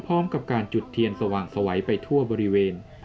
พร้อมกับการจุดเทียนสว่างสวัยไปทั่วบริเวณ